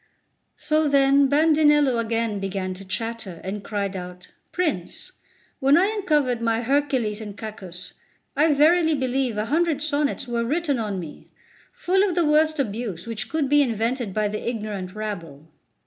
So then Bandinello began again to chatter, and cried out: "Prince, when I uncovered my Hercules and Cacus, I verily believe a hundred sonnets were written on me, full of the worst abuse which could be invented by the ignorant rabble."